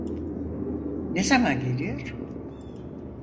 Ne zaman geliyor?